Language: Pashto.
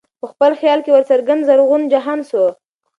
په خپل خیال کي ورڅرګند زرغون جهان سو